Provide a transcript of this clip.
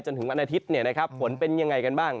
จนถึงวันอาทิตย์นะครับฝนเป็นอย่างไรกันบ้าง